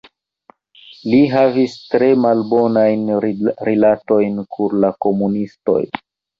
Li havis tre malbonajn rilatojn kun la komunistoj.